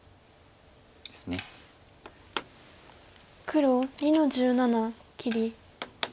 黒２の十七切り。